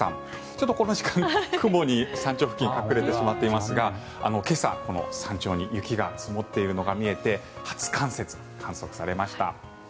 ちょっとこの時間、雲に山頂付近隠れてしまっていますが今朝、山頂に雪が積もっているのが見えて初冠雪、観測されました。